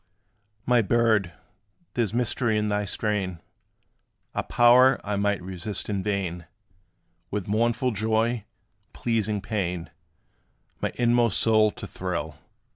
My bird, there 's mystery in thy strain A power I might resist in vain, With mournful joy with pleasing pain My inmost soul to thrill.